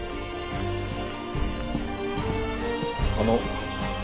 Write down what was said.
あの。